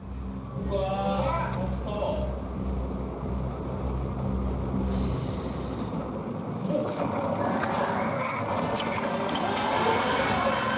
うおっいった？